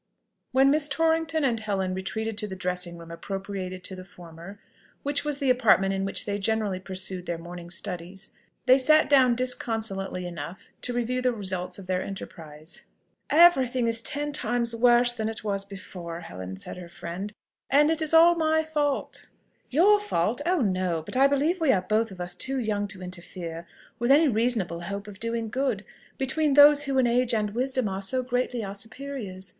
When Miss Torrington and Helen retreated to the dressing room appropriated to the former, which was the apartment in which they generally pursued their morning studies, they sat down disconsolately enough to review the results of their enterprise. "Everything is ten times worse than it was before, Helen!" said her friend; "and it is all my fault!" "Your fault? Oh no! But I believe we are both of us too young to interfere, with any reasonable hope of doing good, between those who in age and wisdom are so greatly our superiors.